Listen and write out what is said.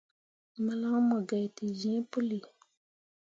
Malan mu gai te zĩĩ puli.